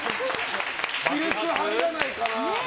亀裂入らないかな。